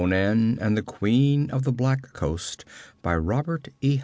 net QUEEN OF THE BLACK COAST By Robert E.